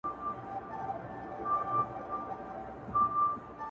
• خو ځول یې په قفس کي وزرونه ,